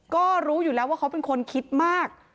ก็รู้อยู่แล้วว่าเขาเป็นคนคิดมาก